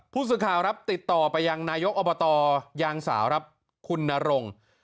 ผู้สื่อข่าวครับติดต่อไปยังนายกอบตยางสาวครับคุณนรง